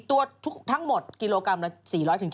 สวัสดีค่าข้าวใส่ไข่